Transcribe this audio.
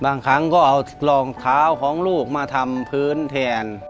บางครั้งก็เอารองเท้าของลูกมาทำพื้นแทน